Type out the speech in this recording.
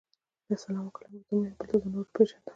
له سلام او کلام وروسته مو یو بل ته ځانونه ور وپېژندل.